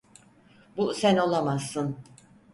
Bu sen olamazsın.